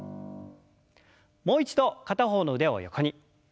もう一度片方の腕を横に。